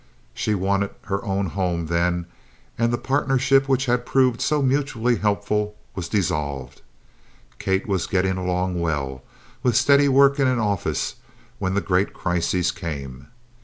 She wanted her own home then, and the partnership which had proved so mutually helpful was dissolved. Kate was getting along well, with steady work in an office, when the great crisis came.